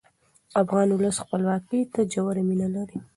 افغان ولس خپلواکۍ ته ژوره مینه لري.